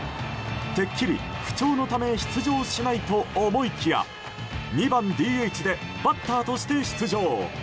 てっきり不調のため出場しないと思いきや２番ＤＨでバッターとして出場。